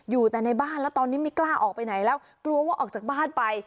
อยู่แต่ในบ้านแล้วตอนนี้ไม่กล้าออกไปไหนแล้วกลัวว่าออกจากบ้านไป